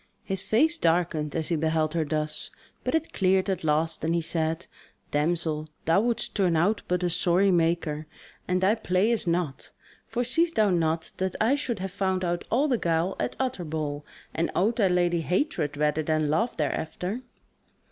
His face darkened as he beheld her thus, but it cleared at last, and he said: "Damsel, thou wouldst turn out but a sorry maker, and thy play is naught. For seest thou not that I should have found out all the guile at Utterbol, and owed thy lady hatred rather than love thereafter."